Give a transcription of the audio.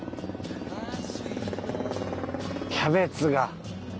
キャベツが。